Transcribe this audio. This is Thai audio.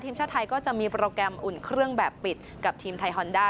ก็จะมีโปรแกรมอุ่นเครื่องแบบปิดกับทีมไทยฮอนด้า